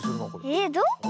えっどこ？